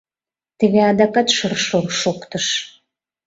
Теве адакат шыр-шор шоктыш.